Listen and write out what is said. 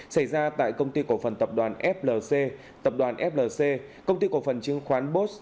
xảy ra tại công ty cổ phần tập đoàn flc tập đoàn flc công ty cổ phần chứng khoán bos